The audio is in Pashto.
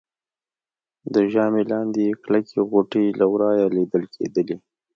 د ژامې لاندې يې کلکې غوټې له ورایه لیدل کېدلې